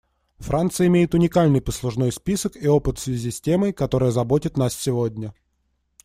Франция имеет уникальный послужной список и опыт в связи темой, которая заботит нас сегодня.